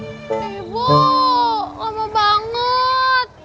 ibu lama banget